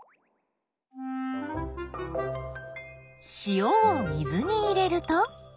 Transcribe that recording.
塩を水に入れると？